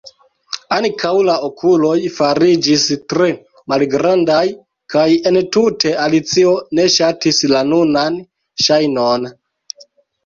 Ankaŭ la okuloj fariĝis tre malgrandaj, kaj entute Alicio ne ŝatis la nunan ŝajnon.